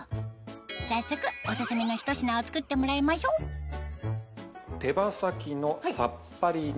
早速オススメのひと品を作ってもらいましょう手羽先のさっぱり煮。